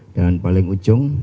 dan paling ujung